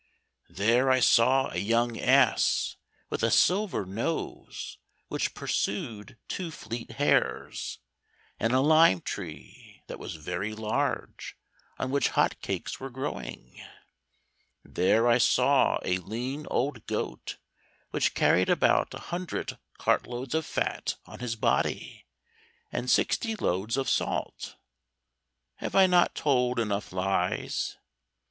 There I saw a young ass with a silver nose which pursued two fleet hares, and a lime tree that was very large, on which hot cakes were growing. There I saw a lean old goat which carried about a hundred cart loads of fat on his body, and sixty loads of salt. Have I not told enough lies?